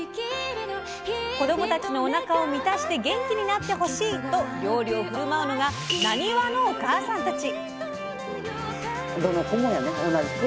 子どもたちのおなかを満たして元気になってほしい！と料理を振る舞うのがなにわのお母さんたち。